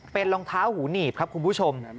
เป็นรองเท้าหูหนีบครับคุณผู้ชม